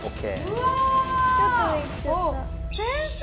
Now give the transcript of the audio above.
うわ！